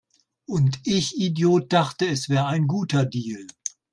Und ich Idiot dachte, es wäre ein guter Deal